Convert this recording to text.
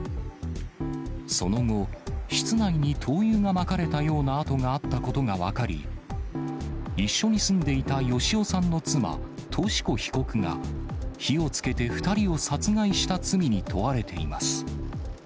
その後、室内に灯油がまかれたような跡があったことが分かり、一緒に住んでいた芳男さんの妻、とし子被告が、火をつけて２人を殺害した罪に問われています。